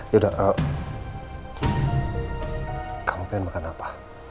yaudah kamu pengen makan apa